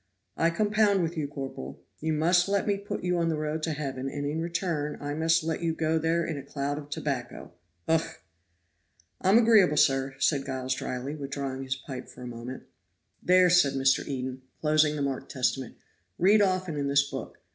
"I compound with you, corporal. You must let me put you on the road to heaven, and, in return, I must let you go there in a cloud of tobacco ugh!" "I'm agreeable, sir," said Giles dryly, withdrawing his pipe for a moment. "There," said Mr. Eden, closing the marked Testament, "read often in this book.